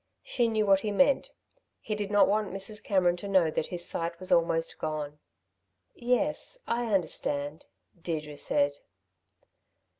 She knew what he meant. He did not want Mrs. Cameron to know that his sight was almost gone. "Yes, I understand," Deirdre said.